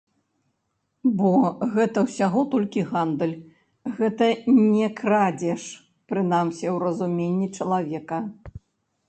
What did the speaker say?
Бо гэта ўсяго толькі гандаль, гэта не крадзеж, прынамсі ў разуменні чалавека.